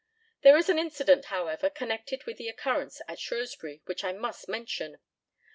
There is an incident however, connected with the occurrence at Shrewsbury, which I must mention.